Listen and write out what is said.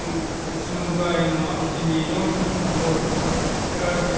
うちの向かいの空き地に４匹段ボールに入って捨てられてたんですね。